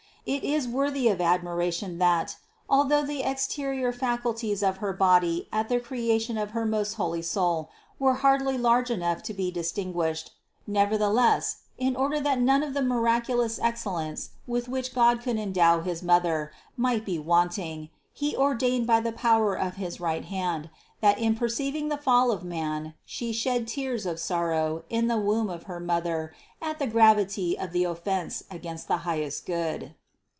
It is worthy of admiration, that, although the exterior facul ties of her body at the creation of her most holy Soul were hardly large enough to be distinguished, neverthe less, in order that none of the miraculous excellence with which God could endow his Mother might be want THE CONCEPTION 189 ing, He ordained by the power of his right hand that in perceiving the fall of man She shed tears of sorrow in the womb of her mother at the gravity of the offense against the highest Good.